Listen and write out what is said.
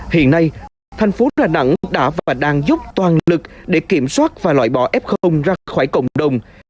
hiện nay thành phố đà nẵng đã và đang giúp toàn lực để kiểm soát và loại bỏ f ra khỏi cộng đồng